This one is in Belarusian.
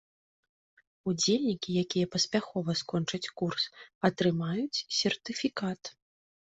Удзельнікі, якія паспяхова скончаць курс, атрымаюць сертыфікат.